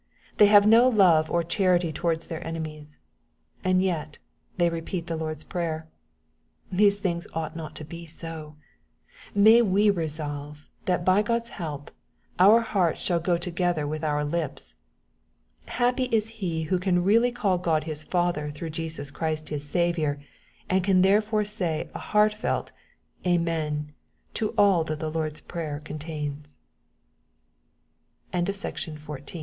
They have no love or charity towards their enemies. And yet they repeat the Lord's Prayer ! These things ought not to be so. May we resolve that, by God's help, our hearts shall go together with our lips 1 Happy is he who can really call God his Father through Jesus Christ his Saviour, and can therefore say a heart felt ^' Amen" to all that the Lord's Prayer contains. MATTHEW, CHAP. VI.